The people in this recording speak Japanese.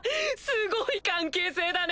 すごい関係性だね。